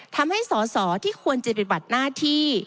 ทำให้สอสอที่ควรจะปฏิบัติหน้าที่